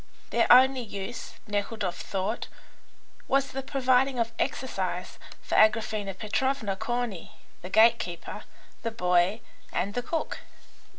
Their only use, Nekhludoff thought, was the providing of exercise for Agraphena Petrovna, Corney, the gate keeper, the boy, and the cook.